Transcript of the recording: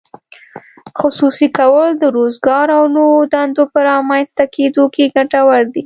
خصوصي کول د روزګار او نوو دندو په رامینځته کیدو کې ګټور دي.